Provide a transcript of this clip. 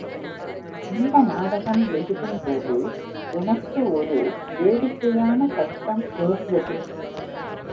இந்த நாடகம் எழுதும் போது எனக்கு ஒரு வேடிக்கையான கஷ்டம் நேர்ந்தது.